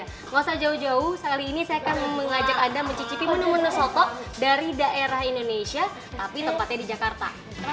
tidak usah jauh jauh kali ini saya akan mengajak anda mencicipi menu menu soto dari daerah indonesia tapi tempatnya di jakarta